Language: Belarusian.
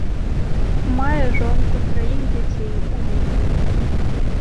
Мае жонку, траіх дзяцей, унукаў.